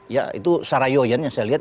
ya itu sarah yoyan yang saya lihat